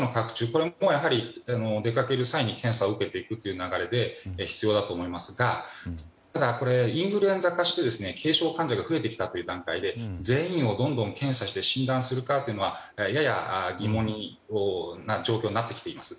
これも出かける際に検査を受けていくという流れで必要だと思いますがただ、インフルエンザ化して軽症患者が増えてきた段階で全員をどんどん検査して診断するかというのはやや疑問な状況になってきています。